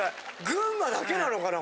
群馬だけなのかな？